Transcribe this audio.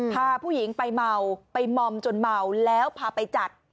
พาผู้หญิงไปเมาไปมอมจนเมาแล้วพาไปจัด